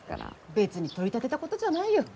別に取り立てたことじゃないよ。